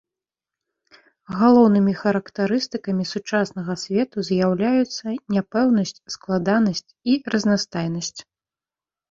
Галоўнымі характарыстыкамі сучаснага свету з'яўляюцца няпэўнасць, складанасць і разнастайнасць.